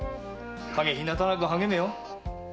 陰ひなたなく励めよ。